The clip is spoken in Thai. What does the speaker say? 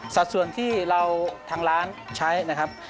สัดส่วนที่เราทางร้านใช้นะครับ